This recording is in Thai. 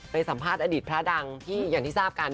สัมภาษณ์อดีตพระดังที่อย่างที่ทราบกัน